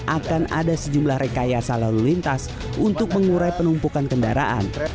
akan ada sejumlah rekayasa lalu lintas untuk mengurai penumpukan kendaraan